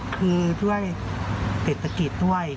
คือด้วยเต็ดศคิดด้วย